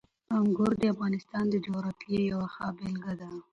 انګور د افغانستان د جغرافیې یوه ښه بېلګه ده.